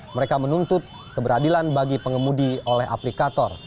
mereka menuntut keberadilan bagi pengemudi oleh aplikator